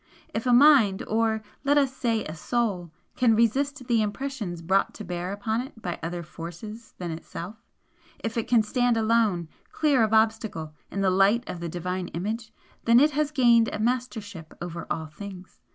If a mind, or let us say a Soul, can resist the impressions brought to bear upon it by other forces than itself if it can stand alone, clear of obstacle, in the light of the Divine Image, then it has gained a mastership over all things.